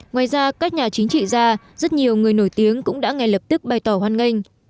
ngoài ra các nhà chính trị gia rất nhiều người nổi tiếng cũng đã ngay lập tức bày tỏ hoan nghênh